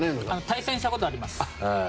対戦したことあります。